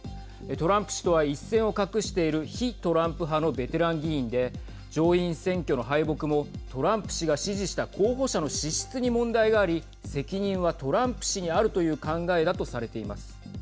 トランプ氏とは一線を画している非トランプ派のベテラン議員で上院選挙の敗北もトランプ氏が支持した候補者の資質に問題があり、責任はトランプ氏にあるという考えだとされています。